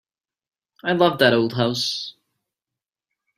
I love that old house.